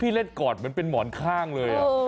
เล่นกอดเหมือนเป็นหมอนข้างเลย